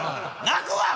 泣くわ！